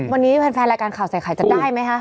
วันนี้แฟนรายการข่าวใส่ไข่จะได้ไหมคะ